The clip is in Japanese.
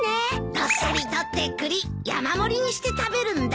どっさりとって栗山盛りにして食べるんだ。